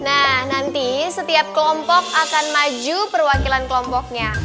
nah nanti setiap kelompok akan maju perwakilan kelompoknya